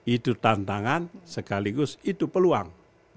itu tantangan sekaligus itu peluang